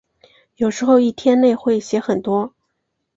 有时候一天内会写很多。